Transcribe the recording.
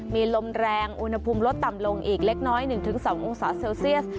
มีลมแรงอุณหภูมิลดต่ำลงอีกเล็กน้อย๑๒องศาเซลเซียส